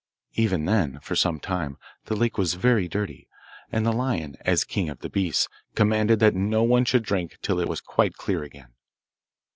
Even then, for some time, the lake was very dirty, and the lion, as king of the beasts, commanded that no one should drink till it was quite clear again.